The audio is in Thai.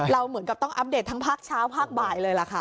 เราเหมือนกับต้องอัพเดททั้งพักเช้าพักบ่ายเลยล่ะค่ะ